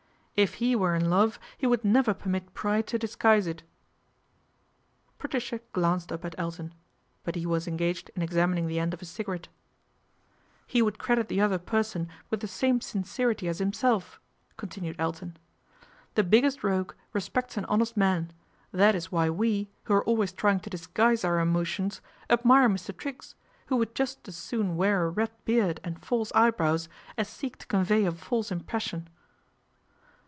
" If he were in love he would never permit pride to disguise it." Patricia glanced up at Elton : but he was engaged in examining the end of his cigarette. " He would credit the other person with the same sincerity as himself," continued Elton. " The biggest rogue respects an honest man, that is why we, who are always trying to disguise our emotions, admire Mr. Triggs, who would just as soon wear a red beard and false eyebrows as seek to convey a false impression."